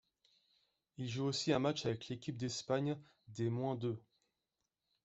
Il joue aussi un match avec l'équipe d'Espagne des moins de.